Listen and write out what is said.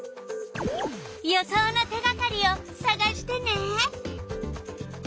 予想の手がかりをさがしてね！